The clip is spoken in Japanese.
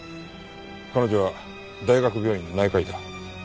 彼女は大学病院の内科医だ。